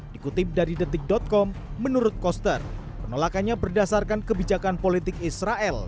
dikutip dari detik com menurut koster penolakannya berdasarkan kebijakan politik israel